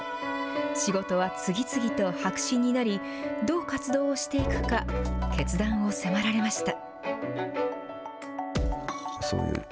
仕事は次々と白紙になり、どう活動をしていくか、決断を迫られました。